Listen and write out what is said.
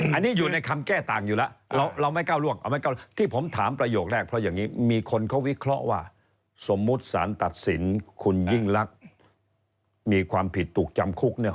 อันนี้อยู่ในคำแก้ต่างอยู่แล้วเราไม่ก้าวล่วงที่ผมถามประโยคแรกเพราะอย่างนี้มีคนเขาวิเคราะห์ว่าสมมุติสารตัดสินคุณยิ่งลักษณ์มีความผิดถูกจำคุกเนี่ย